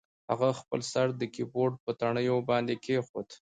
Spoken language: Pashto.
هغه خپل سر د کیبورډ په تڼیو باندې کیښود